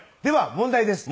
問題です。